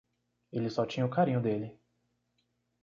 Ele só tinha o carinho dele.